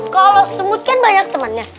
kalau sumut kan banyak temannya